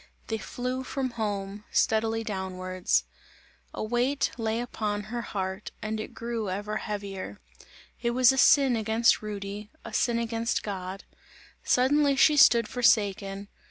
They flew from home. Steadily downwards. A weight lay upon her heart and it grew ever heavier. It was a sin against Rudy, a sin against God; suddenly she stood forsaken.